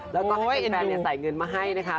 แล้วก็ให้แฟนแล้วเสียเงินมาให้นะคะ